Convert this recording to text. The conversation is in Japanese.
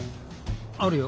あるよ。